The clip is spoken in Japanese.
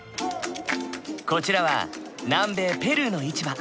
こちらは南米ペルーの市場。